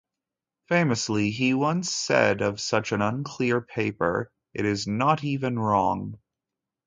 Famously, he once said of such an unclear paper: It is not even wrong!